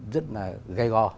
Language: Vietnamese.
rất là gay go